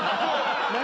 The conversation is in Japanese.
何⁉